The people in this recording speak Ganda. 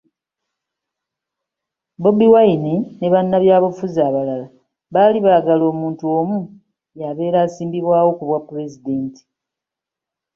Bobi Wine ne bannabyabufuzi abalala baali baagala omuntu omu y'abeera asimbibwawo kubwa Pulezidenti.